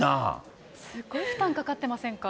すごい負担かかってませんか？